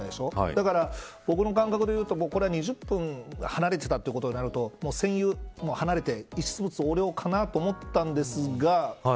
だから、僕の感覚で言うと２０分離れていたということになると離れて、遺失物横領かなと思ったんですが。